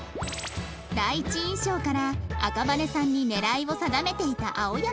第一印象から赤羽さんに狙いを定めていた青山さん